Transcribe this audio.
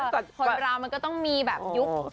คนราวก็ต้องมีแบบยุค